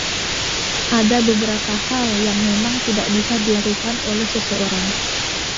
Ada beberapa hal yang memang tidak bisa dilakukan oleh seseorang!